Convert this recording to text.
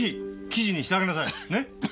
記事にしてあげなさい！ね？